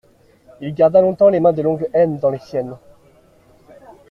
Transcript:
Il garda longtemps les mains de l'oncle Edme dans les siennes.